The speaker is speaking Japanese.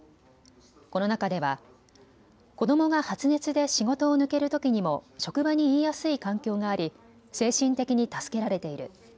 この中では子どもが発熱で仕事を抜けるときにも職場に言いやすい環境があり精神的に助けられている。